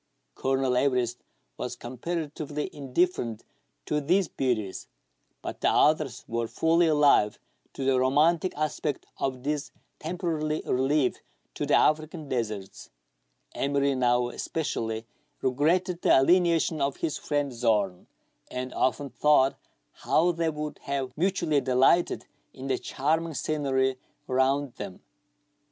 Colonel Everest was comparatively indifferent to these beauties, but the others were fully alive to the romantic L a 148 meridiana; the adventures of aspect of this temporary relief to the African deserts, Emery now especially regretted the alienation of his friend Zorn, and often thought how they would have mutually delighted in the charming scenery around them.